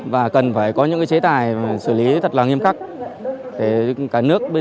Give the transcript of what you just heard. và cần phải có những chế tài xử lý thật là nghiêm khắc